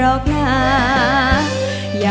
รักเธอค่ะรักเธอค่ะ